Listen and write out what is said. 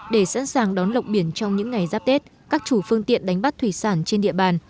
để sẵn sàng đón lộng biển trong những ngày giáp tết các chủ phương tiện đánh bắt thủy sản trên địa bàn